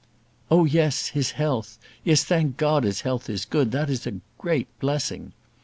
"Oh yes; his health! Yes, thank God, his health is good; that is a great blessing."